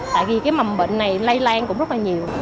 tại vì cái mầm bệnh này lây lan cũng rất là nhiều